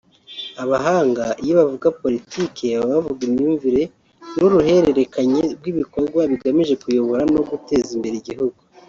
Abahanga iyo bavuga politiki baba bavuga imyumvire n’uruhererekanye rw’ibikorwa bigamije kuyobora no guteza imbere igihugu